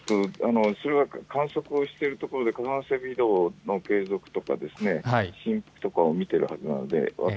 観測をしているところで火山性微動の継続とか振幅とかを見ているはずなので私